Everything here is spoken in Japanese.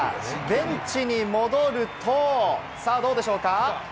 現地に戻ると、さぁどうでしょうか？